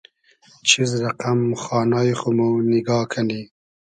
چیز رئقئم خانای خو مۉ نیگا کئنی